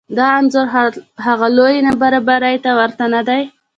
دا انځور هغه لویې نابرابرۍ ته ورته نه دی